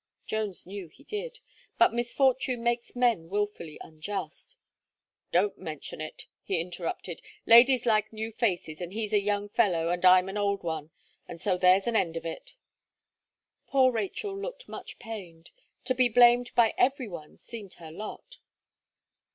Jones knew he did; but misfortune makes men wilfully unjust. "Don't mention it," he interrupted, "ladies like new faces, and he's a young fellow, and I am an old one, and so there's an end of it." Poor Rachel looked much pained. To be blamed by every one seemed her lot.